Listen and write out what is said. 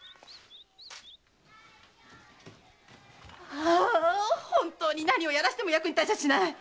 ああ本当に何をやらしても役に立ちゃしない！